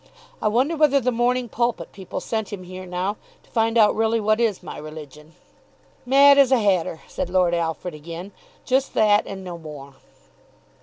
I wonder whether the 'Morning Pulpit' people sent him here now to find out really what is my religion." "Mad as a hatter," said Lord Alfred again; "just that and no more."